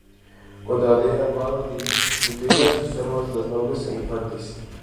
Contra D. Alvaro dirigen sus intrigas y sus armas los nobles e infantes.